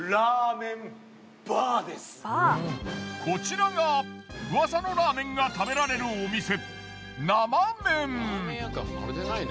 こちらがウワサのラーメンが食べられるお店ナマメン。